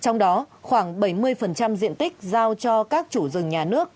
trong đó khoảng bảy mươi diện tích giao cho các chủ rừng nhà nước